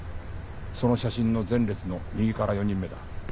その写真の前列の右から４人目だ。